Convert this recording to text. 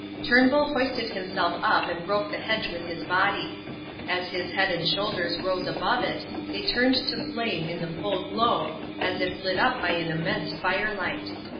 Turnbull hoisted himself up and broke the hedge with his body. As his head and shoulders rose above it they turned to flame in the full glow as if lit up by an immense firelight.